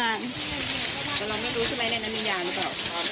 แต่เราไม่รู้ใช่ไหมในนั้นมียาหรือเปล่า